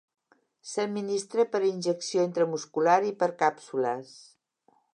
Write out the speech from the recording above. S'administra per injecció intramuscular i per càpsules.